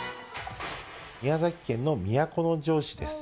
宮崎県の都城市です。